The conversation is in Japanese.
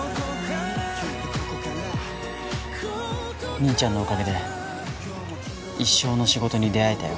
兄ちゃんのおかげで一生の仕事に出会えたよ。